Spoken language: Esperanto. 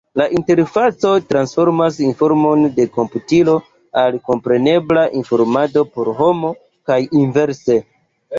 La interfaco transformas informon de komputilo al komprenebla informado por homo, kaj inverse.